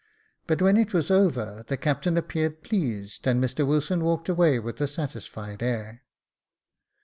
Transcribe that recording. But when it was over, the captain appeared pleased, and Mr Wilson walked away with a satisfied air..